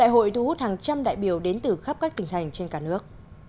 hội thu hút hàng trăm đại biểu đến từ khắp các tỉnh thành trên cả nước